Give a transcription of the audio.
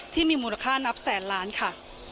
ที่มีมูลค่านับแสนล้านค่ะ